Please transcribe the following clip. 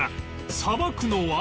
さばくのは